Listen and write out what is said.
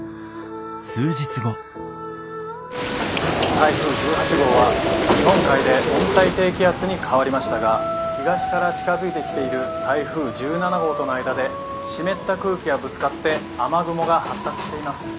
「台風１８号は日本海で温帯低気圧に変わりましたが東から近づいてきている台風１７号との間で湿った空気がぶつかって雨雲が発達しています。